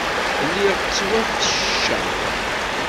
Lliɣ ttwafecceceɣ.